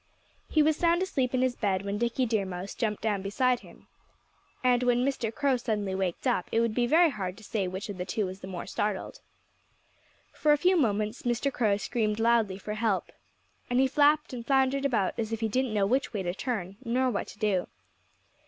He was sound asleep in his bed when Dickie Deer Mouse jumped down beside him. And when Mr. Crow suddenly waked up it would be very hard to say which of the two was the more startled. For a few moments Mr. Crow screamed loudly for help. And he flapped and floundered about as if he didn't know which way to turn, nor what to do.